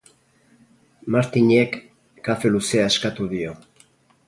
Martinek kafe luzea eskatu dio.